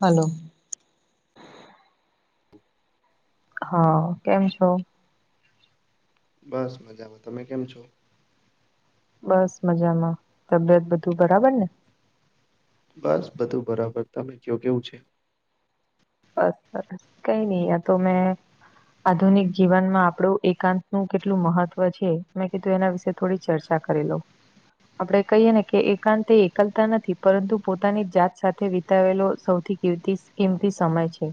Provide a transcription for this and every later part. હાલો. [inaudible] હા, કેમ છો? બસ મજામાં. તમે કેમ છો? બસ મજામાં. તબિયત બધું બરાબર ને? બસ બધું બરાબર, તમે ક્યો કેવું છે? બસ સરસ, કંઈ ની આતો મેં આધુનિક જીવનમાં આપડું એકાંતનું કેટલું મહત્વ છે? મેં કીધું એના વિશે થોડી ચર્ચા કરી લવ. આપણે કહીએ ને કે એકાંત એ એકલતા નથી પરંતુ પોતાની જાત સાથે વિતાવેલો સૌથી કિમતી કીમતી સમય છે.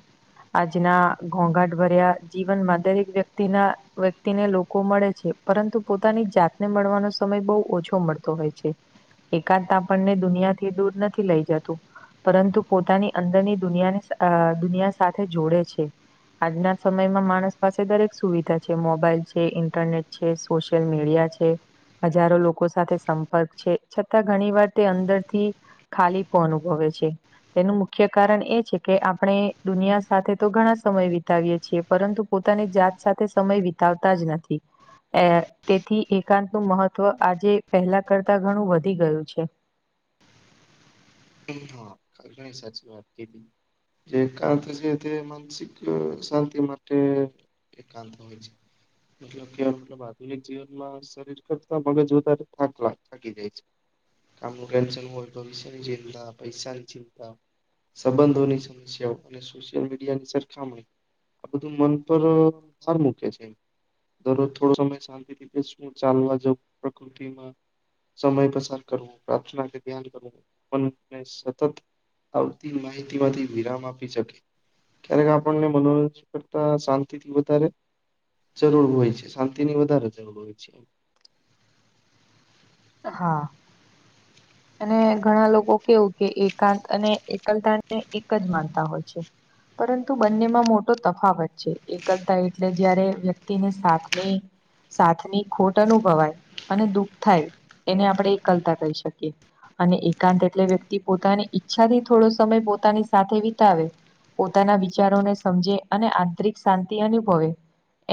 આજના ઘોંઘાટભર્યા જીવનમાં દરેક વ્યક્તિના વ્યક્તિને લોકો મળે છે. પરંતુ પોતાની જાતને મળવાનો સમય બહુ ઓછો મળતો હોય છે. એકાંત આપણને દુનિયાથી દૂર નથી લઇ જતું. પરંતુ પોતાની અંદરની દુનિયા અ દુનિયા સાથે જોડે છે. આજના સમયમાં માણસ પાસે દરેક સુવિધા છે. મોબાઈલ છે, ઈન્ટરનેટ છ સોશિયલ મીડિયા છે. હજારો લોકો સાથે સંપર્ક છે, છતાં ઘણીવાર તે અંદરથી ખાલીપો અનુભવે છે. તેનું મુખ્ય કારણ એ છે કે આપણે દુનિયા સાથે તો ઘણા સમય વિતાવીએ છીએ, પરંતુ પોતાની જાત સાથે સમય વિતાવતા જ નથી. એ તેથી એકાંતનું મહત્વ આજે પહેલાં કરતાં ઘણું વધી ગયું છે. હા, તમે ઘણી સાચી વાત કીધી. જે એકાંત છે તે માનસિક શાંતિ માટે એકાંત હોય. છે [inaudible] મતલબ કે મતલબ આધુનિક જીવનમાં શરીર કરતા મગજ વધારે થાક લાગ થાકી જાય છે. કામનું ટેન્શન હોય, ભવિષ્યની ચિંતા, પૈસાની ચિંતા સંબંધોની સમસ્યાઓ અને સોશિયલ મીડિયાની સરખામણી આ બધું મન પર ભાર મૂકે છે. દરરોજ થોડો સમય શાંતિથી બેસવું, ચાલવા જવું, પ્રકૃતિમાં સમય પસાર કરવું, પ્રાર્થના કે ધ્યાન કરવું પણને સતત આવતી માહિતીમાંથી વિરામ આપી શકે. ક્યારેક આપણને મનોરંજન કરતા શાંતિથી વધારે જરૂર હોય છે, શાંતિની વધારે જરૂર હોય છે. હા. ઘણા લોકો કેવું કે એકાંત અને એકલતાને એક જ માનતા હોય છે. પરંતુ બંનેમાં મોટો તફાવત છે. એકલતા એટલે જ્યારે વ્યક્તિને સાથની સાથની ખોટ અનુભવાય અને દુઃખ થાય એને આપણે એકલતા કહી શકીએ. અને એકાંત એટલે વ્યક્તિ પોતાની ઈચ્છાથી થોડો સમય પોતાની સાથે વિતાવે પોતાના વિચારોને સમજે અને આંતરિક શાંતિ અનુભવે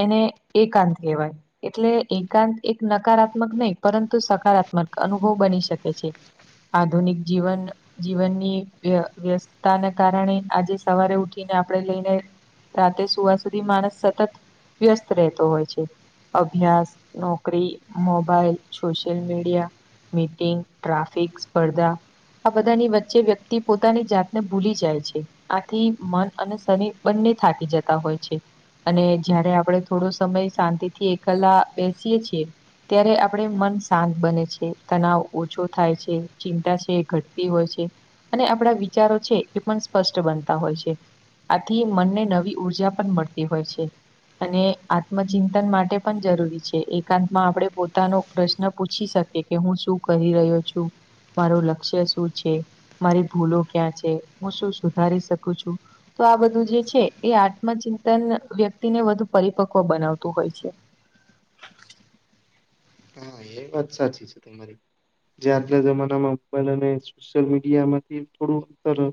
એને એકાંત કેવાય. એટલે એકાંત એક નકારાત્મક નય પરંતુ સક્ સકારાત્મક અનુભવ બની શકે છે. આધુનિક જીવન જીવનની વ્ય વ્યસ્તતાને કારણે આજે સવારે ઉઠીને આપણે લઈને રાતેે સુવા સુધી માણસ સતત વ્યસ્ત રહેતો હોય છે. અભ્યાસ, નોકરી, મોબાઈલ, સોશિ શિયલમીડિયા, મીટિંગ, ટ્રાફિક, સ્પર્ધા આ બધાની વચ્ચે વ્યક્તિ પોતાની જાતને ભૂલી જાય છે. આથી મન અને શરીર બંને થાકી જતા હોય છે. અને જયારે આપણે થોડો સમય શાંતિથી એકલા બેસીએ છીએ ત્યારે આપડે મનસ્ શાંત બને છે, તનાવ ઓછો થાય છે, ચિંતા છે એ ઘટતી હોય છે. અને આપણા વિચારો છે એ પણ સ્પષ્ટ બનતા હોય છે. આથી મનને નવી ઉર્જા પણ મળતી હોય છે. અને આત્મચિંતન માટે પણ જરૂરી છે એકાંતમાં આપણે પોતાનો પ્રશ્ન ન પુછી શકે કે હું શું કરી રહ્યો છું? મારું લક્ષ્ય શું છે? મારી ભૂલો ક્યાં છે? હું શું સુધારી શકું છું? તો આ બધું જે છે એ આત્મચિંતન વ્યક્તિને વધુ પરિપક્વ બનાવતું હોય છે. હા એ વાત સાચી છે તમારી. જે આજના જમાનામાં મોબાઈલ અને સોશિયલ મીડિયામાંથી થોડું અંતર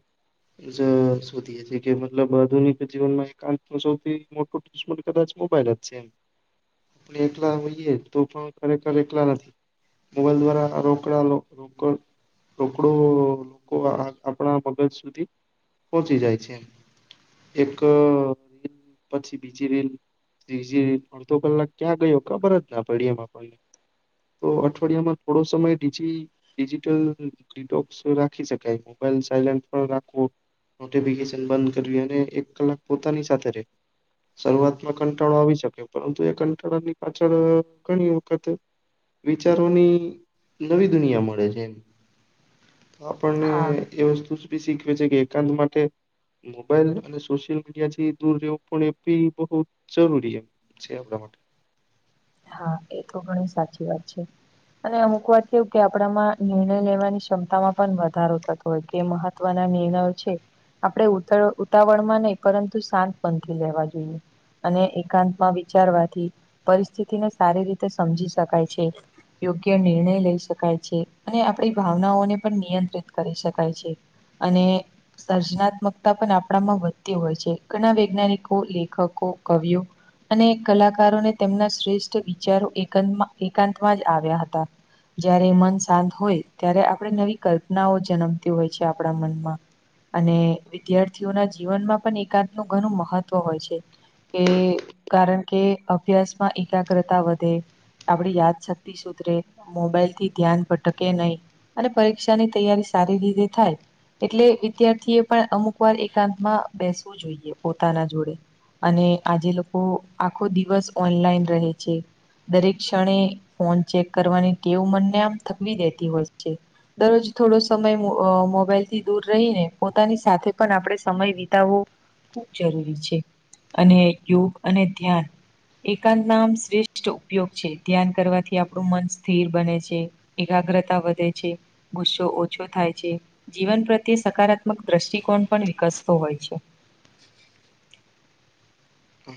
[unintelligible] મતલબ આધુનિક જીવનમાં એકાંતનું સૌથી મોટું દુશ્મન કદાચ મોબાઈલ જ છે એમ. આપણે એકલા હોઈયએ તોપણ ખરેખર એકલા નથી. મોબાઈલ દ્વારા આ રોકડા લોકલ રોકડો લોકો આપણા મગજ સુધી પહોંચી જાય છે એમ. એક પછી બીજી રીલ ત્રીજી અડધો કલાક ક્યાં ગયો ખબર જ ના પયડી એમ આપણને. તો અઠવાડિયામાં થોડો સમય [unintelligible] જી ડિજિટલ ડિટોક્સ રાખી શકાય મોબાઈલ સાયલેન્ટમા પણ રાખવો. નોટિફિકેશન બંધ કરવી અને એક કલાક તમે પોતાની સાથે રહે શરૂઆતમાં કંટાળો આવી શકે પરંતુ એ કંટાળાની પાછળ‌અ... ઘણી વખત વિચારોની નવી દુનિયા મળે છે એમ. આપણને હા એ વસ્તુ જ બી શીખવે છે કે એકાંત માટે મોબાઈલ અને સોશિયલ મીડિયા થી દૂર રહેવું પણ એ પી બહુ જરૂરી. જ [unintelligible] હા એ તો ઘણી સાચી વાત છે. અને અમુક વાત કેવું કે આપણામાં નિર્ણય લેવાની ક્ષમતામાં પણ વધારો થતો હોય કે મહત્વના નિર્ણયો છે. આપણે ઉ ઉતાવળ માં નહી પરંતુ શાંત પણનથી લેવા જોઈએ. અને એકાંતમાં વિચારવાથી પરિસ્થિતિને સારી રીતે સમજી શકાય છે. યોગ્ય નિર્ણય લઈ શકાય છે અને આપણી ભાવનાઓને પણ નિયંત્રિત કરી શકાય છે. અને. સર્જનાત્મકતા પણ આપણામાં વધતી હોય છે ઘણા વૈજ્ઞાનિકો લેખકો કવિઓ અને કલાકારોને તેમના શ્રેષ્ઠ વિચારો એક એકાંતમાં જ આવ્યા હતા. જયારે મન શાંત હોય ત્યારે આપણે નવી કલ્પનાઓ જન્મતી હોય છે આપણા મનમાં. અને વિદ્યાર્થીઓના જીવનમાં પણ એકાંત નું ઘણું મહત્વ હોય છે. કે કારણ કે અભ્યાસમાં એકાગ્રતા વધે. આપણી યાદ શક્તિ સુધરે મોબાઈલ થી ધ્યાન ભટકે નહી. અને પરીક્ષા તૈયારી સારી રીતે થાય. એટલે વિદ્યાર્થી એ પણ અમુક વાર એકાંત માં બેસવું જોઈએ પોતાના જોડે. અને આજે લોકો આખો દિવસ ઓનલાઈન રહે છે. દરેક ક્ષણે ફોન ચેક કરવાની ટેવ મનને આમ થકવી દેતી હોય છે. દરરોજ થોડો સમય મોબાઈલથી દૂર રહીને પોતાની સાથે પણ આપણે સમય વિતાવવો‌ ખૂબ જરૂરી છે અને યોગ અને ધ્યાન એકાંત ના આમ શ્રેષ્ઠ ઉપયોગ છે ધ્યાન કરવાથી આપણું મન સ્થિર બને છે. એકાગ્રતા વધે છે ગુસ્સો ઓછો થાય છે. જીવન પ્રતિ સકારાત્મક દ્રષ્ટિકોણ પણ વિકસતો હોય છે. હ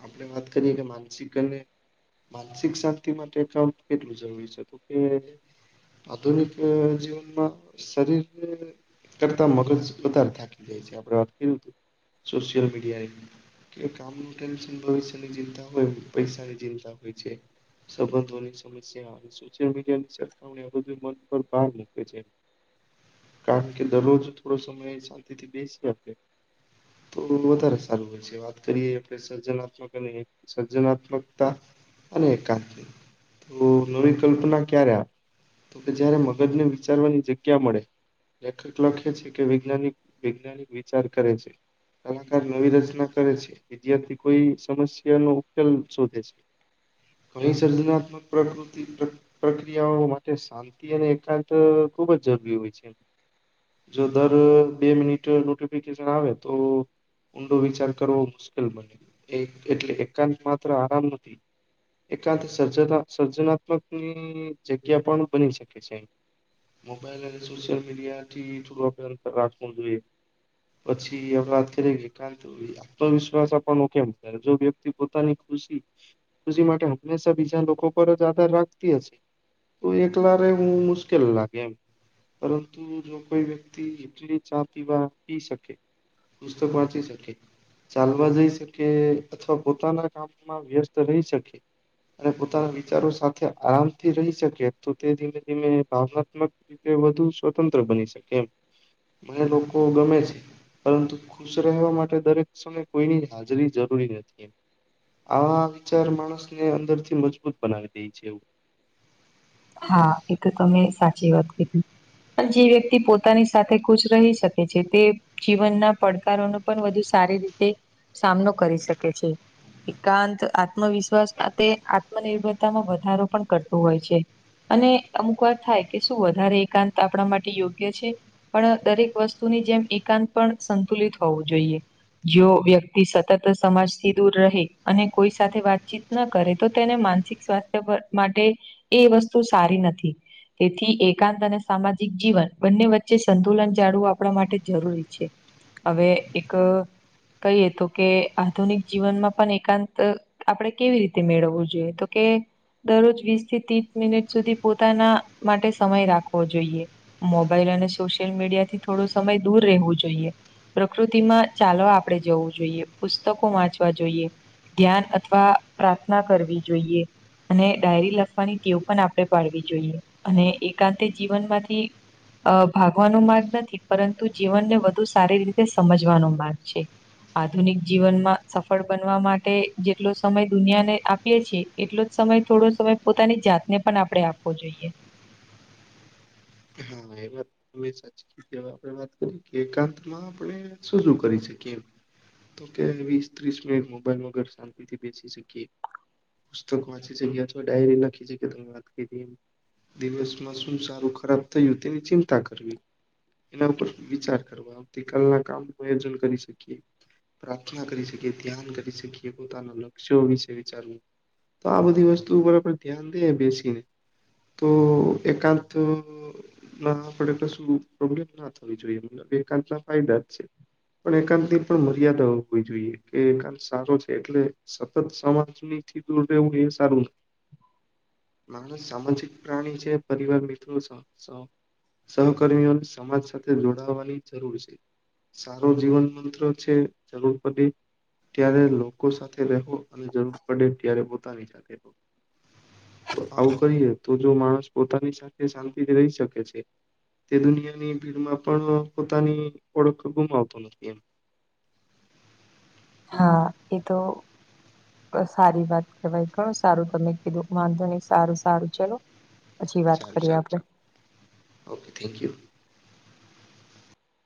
આપડે વાત કરીએ કે માનસિક અને માનસિક શાંતિ માટે કામ કેટલું જરૂરી છે તો કે આધુનિક જીવનમાં શરીરને કરતા મગજ વધારે થાકી જાય છે આપડે વાત કરી સોશિયલ મીડિયાએ કે કામનું ટેન્શન ભવિષ્યની ચિંતા હોય પૈસાની ચિંતા હોય છે. સંબંધોની સમસ્યા સોશિયલ મીડિયા ની સરખામણી એ બધું મન પર ભાર મૂકે છે. કારણ કે દરરોજ થોડો સમય શાંતિ થી બેસી આપે તો વધારે સારું હોય છે વાત કરી આપણે સર્જનાત્મક અને સર્જનાત્મકતા અને એકાત્મી હો નવી કલ્પના ક્યાં રહ્યા. કે જયારે મગજને વિચારવાની જગ્યા મળે. લેખક લખે છે કે વિજ્ઞાનિક વિજ્ઞાનિક વિચાર કરે છે. કલાકાર નવી રચના કરે છે. વિદ્યાર્થી કોઈ સમસ્યા નો ઉકેલ શોધે છે. ઘણી સર્જનાત્મક પ્રકૃતિ પ્રક્રિયાઓ માટે નીતિ અને એકાંત ખુબ જ જરૂરી હોય છે. જો દર બે મિનિટ નોટિફિકેશન આવે તો ઊંડો વિચાર કરવો મુશ્કિલ બને એ એટલે એક એકાંત માત્ર આરામ નથી એકાંત સર્જ સર્જનાત્મકની જગ્યા પણ બની શકે છે. મોબાઈલ અને સોશિયલ મીડિયા થી થોડું અંતર રાખવું જોએ. પછી [unintelligible] વિશ્વાસ આપવાનું કેમ જો વ્યક્તિ પોતાની ખુશિ ખુશી માટે હંમેશા બીજા લોકો પર જ આધાર રાખતી હશે તો એકલા રેવું મુશ્કેલ લાગે એમ. પરંતુ જો કોઈ વ્યક્તિ જેટલી ચા પીવા પી શકે પુસ્તક વાંચી શકે ચાલવા જઈ શકે અથવા પોતાના કામમાં વ્યસ્ત રહી શકે અને પોતાના વિચારો સાથે આરામથી રહી શકે તો તે ધીમે ધીમે ભાવનાત્મક તે વધુ સ્વતંત્ર બની શકે એમ. અને લોકો ગમે છે પરંતુ ખુશ રહેવા માટે દરેક સમય કોઈની હાજરી જરૂરી નથી એમ. આવા વિચાર માણસને અંદર થી મજબૂત બનાવી દે છે એવું. હા, એ તો તમે સાચી વાત કીધી. પણ જે વ્યક્તિ પોતાની સાથે ખુશ રહી શકે છે તે જીવનના પડકારોનો પણ વધુ સારી રીતે સામનો કરી શકે છે. એકાંત આત્મવિશ્વાસ સાથે આત્મનિર્ભરતામાં વધારો પણ કરતો હોય છે. અને અમુક વાર થાય કે શું વધારે એકાંત આપડા માટે યોગ્ય છે? પણ દરેક વસ્તુની જેમ એકાંત પણ સંતુલિત હોવું જોઈએ. જો વ્યક્તિ સતત સમાજથી દૂર રહે અને કોઈ સાથે વાતચીત ન કરે તો તેને માનસિક સ્વાસ્થ્ય પર માટે એ વસ્તુ સારી નથી. તેથી એકાંત અને સામાજિક જીવન બંને વચ્ચે સંતુલન જાળવું આપણા માટે જરૂરી છે. હવે એક કહીએ તો કે આધુનિક જીવનમાં પન એકાંત આપણે કેવી રીતે મેળવવું જોઈએ તો કે દરરોજ વીસ થી ત્રીસ મિનિટ સુધી પોતાના માટે સમય રાખવો જોઈએ. મોબાઈલ અને સોશિયલ મીડિયાથી થોડો સમય દૂર રહેવું જોઈએ. પ્રકૃતિમાં ચાલવા આપડે જવું જોઈએ, પુસ્તકો વાંચવા જોઈએ ધ્યાન અથવા પ્રાર્થના કરવી જોઈએ અને ડાયરી લખવાની ટેવ પણ આપણે પાડવી જોઈએ અને એકાંતે જીવનમાંથી અ ભાગવાનો માર્ગ નથી પરંતુ જીવનને વધુ સારી રીતે સમજવાનો માર્ગ છે. આધુનિક જીવનમાં સફળ બનવા માટે જેટલો સમય દુનિયાને આપીએ છીએ એટલો જ સમય થોડો સમય પોતાની જાતને પણ આપડે આપવો જોઈએ. હમ, [inaudible] [inaudible] આપણે વાત કરીએ કે એકાંતમાં આપણે શું શું કરી શકીએ? તો કે વીસ ત્રીસ મિનિટ મોબાઈલ વગર શાંતિથી બેસી શકીએ, પુસ્તક વાંચી [unintelligible] ડાયરી [inaudible] વાત કયરી. દિવસમાં શું સારું, ખરાબ થયું તેની ચિંતા કરવી. એના ઉપર વિચાર કરવા આવતી કાલના કામનું આયોજન કરી શકીએ. પ્રાર્થના કરી શકીએ, ધ્યાન કરી શકીએ, પોતાના લક્ષ્યો વિશે વિચારવું તો આ બધી વસ્તુ ઉપર આપણે ધ્યાન દઈએ, બેસીને તો એકાંત ના આપણે કશું પ્રોબ્લેમ ના થવી જોઈએ, [inaudible] એકાંતના ના ફાયદા જ છે. પણ એકાંતની પણ મર્યાદા હોવી જોઈએ કે એકાંત સારો છે એટલે સતત સમાજનીથી દૂર રેવું એ સારું નથી. [inaudible] માણસ સામાજિક પ્રાણી છે પરિવાર મિત્રો [inaudible] સહકર્મીઓને સમાજ સાથે જોડાવાની જરૂર છે. સારો જીવન મંત્ર છે. જરૂર [unintelligible] ત્યારે લોકો સાથે રેહવુ અને જરૂર પડે ત્યારે પોતાની [inaudible] [inaudible] તો આવું કરીએ તો જો માણસ પોતાની સાથે શાંતિથી રહી શકે છે. તે દુનિયાની ભીડમાં પણ પોતાની ઓળખ ગુમાવતો નથી એમ. હા, એ તો [unintelligible] સારી વાત કેહેવાય, ઘણું સારું તમે કીધું, વાંધો નહી, સારું સારું ચલો! પછી વાત સારું કરીએ આપડે. સારું. [unintelligible] Okay, thank you!